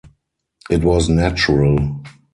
It was natural.